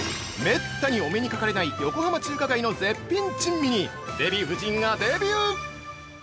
◆滅多にお目にかかれない横浜中華街の絶品珍味にデヴィ夫人がデビュー！